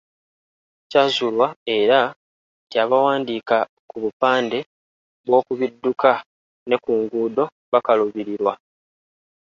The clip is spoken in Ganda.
Kyazuulwa era nti abawandiika ku bupande bw’oku bidduka ne ku nguudo bakaluubirirwa.